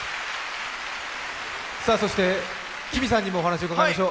そしてＫＩＭＩさんにもお話を伺いましょう。